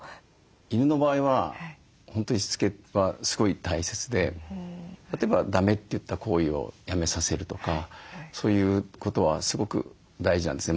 犬の場合は本当にしつけはすごい大切で例えばだめといった行為をやめさせるとかそういうことはすごく大事なんですね。